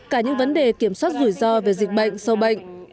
cả những vấn đề kiểm soát rủi ro về dịch bệnh sâu bệnh